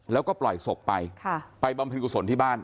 แล้วก็ปล่อยศพไปไปบำเพ็ญกุศลที่บ้าน